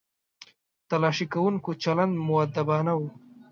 تلاښي کوونکو چلند مؤدبانه و.